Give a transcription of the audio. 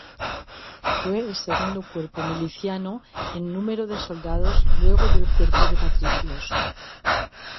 Fue el segundo cuerpo miliciano en número de soldados luego del cuerpo de Patricios.